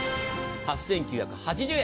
８９８０円。